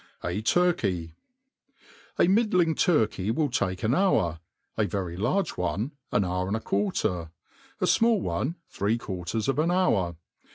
A TURKEY. A middling turkey will take an hour; a very large one, an hour and a quarter; a fmall one, three quarters of an hour.